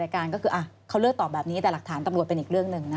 การก็คือเขาเลือกตอบแบบนี้แต่หลักฐานตำรวจเป็นอีกเรื่องหนึ่งนะคะ